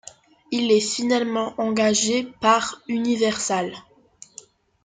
Il est finalement engagé par Universal.